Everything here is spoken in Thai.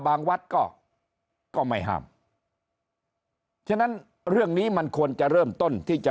วัดก็ก็ไม่ห้ามฉะนั้นเรื่องนี้มันควรจะเริ่มต้นที่จะ